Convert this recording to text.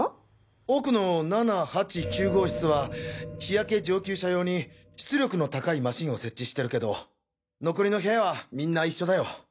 奥の７８９号室は日焼け上級者用に出力の高いマシンを設置してるけど残りの部屋はみんな一緒だよ。